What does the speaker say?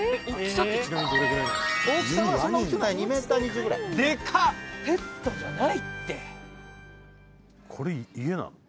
そんな大きくない２ｍ２０ぐらいでかっペットじゃないってこれ家なの？